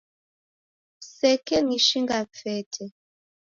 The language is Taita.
Kusekenishinga fete.